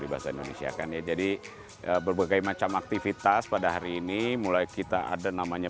bahasa indonesia kan ya jadi berbagai macam aktivitas pada hari ini mulai kita ada namanya